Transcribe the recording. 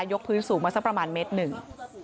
ยกพื้นสูงมาสักประมาณเมตรหนึ่ง